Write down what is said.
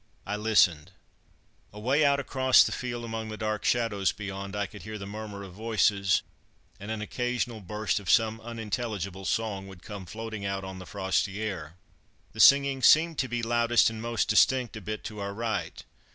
I listened; away out across the field, among the dark shadows beyond, I could hear the murmur of voices, and an occasional burst of some unintelligible song would come floating out on the frosty air. The singing seemed to be loudest and most distinct a bit to our right.